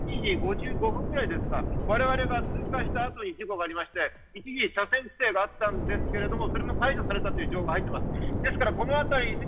７時５５分ぐらいですか、我々が通過した後に事故がありまして一時、車線規制があったんですけれども、それも解除されたという情報が入っています。